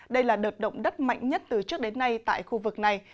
đây là đợt động đất mạnh nhất từ trước đến nay tại khu vực này